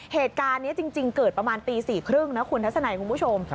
เหตุการณ์นี้จริงเกิดประมาณตี๔๓๐นะคุณทัศนัยคุณผู้ชม